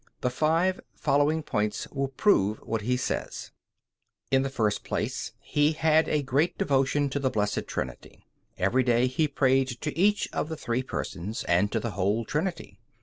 The five following points will prove what he says: In the first place, he had a great devotion to the Blessed Trinity. Every day he prayed to each of the three Persons and to the whole Trinity.